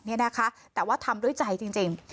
นี่นะคะแต่ว่าทำด้วยใจจริง